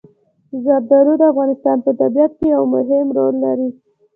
زردالو د افغانستان په طبیعت کې یو مهم رول لري.